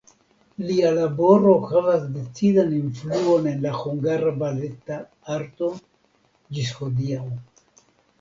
Lia laboro havas decidan influon en la hungara baleta arto ĝis hodiaŭ.